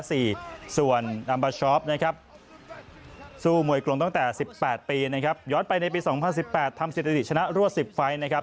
ส่วนอัมบาชอปสู้มวยกลงตั้งแต่๑๘ปีย้อนไปในปี๒๐๑๘ทำสถิติชนะรั่ว๑๐ไฟล์